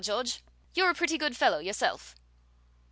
George! You're a pretty good fellow yourself!"